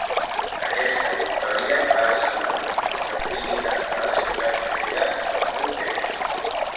Aquesta victòria va assegurar la tranquil·litat de les ciutats gregues per molt temps.